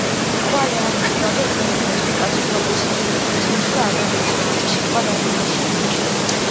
„ხვალე არ უნდა ჰგავდეს დღევანდელს, თუ კაცს პროგრესი, წინსვლა ადამიანისა ფუჭ სიტყვად არ მიაჩნია.“